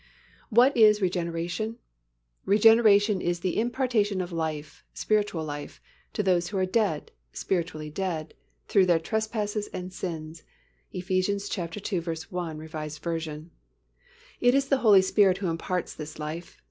What is regeneration? _Regeneration is the impartation of life, spiritual life, to those who are dead, spiritually dead, through their trespasses and sins_ (Eph. ii. 1, R. V.). It is the Holy Spirit who imparts this life.